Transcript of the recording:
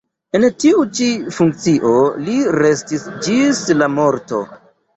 En tiu ĉi funkcio li restis ĝis la morto.